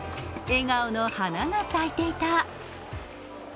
笑顔の花が咲いていた。